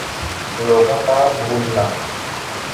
لوگوں کا بھولنا